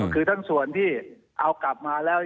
คือทั้งส่วนที่เอากลับมาแล้ว